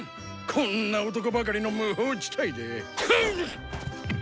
こんな男ばかりの無法地帯で！